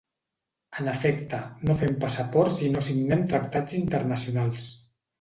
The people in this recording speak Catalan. En efecte, no fem passaports i no signem tractats internacionals.